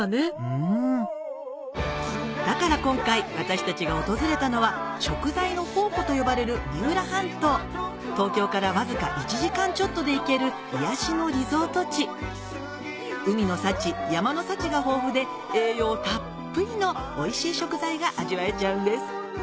うんだから今回私たちが訪れたのは食材の宝庫と呼ばれる三浦半島東京からわずか１時間ちょっとで行ける癒やしのリゾート地海の幸山の幸が豊富で栄養たっぷりのおいしい食材が味わえちゃうんです